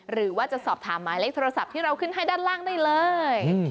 หรือว่าจะสอบถามหมายเลขโทรศัพท์ที่เราขึ้นให้ด้านล่างได้เลย